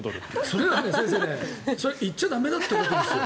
それは先生行っちゃ駄目だということですよ。